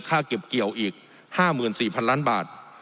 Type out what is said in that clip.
เก็บเกี่ยวอีก๕๔๐๐๐ล้านบาท